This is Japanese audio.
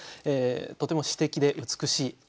とても詩的で美しい。